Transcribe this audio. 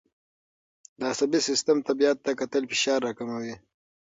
د عصبي سیستم طبیعت ته کتل فشار راکموي.